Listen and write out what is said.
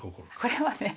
これはね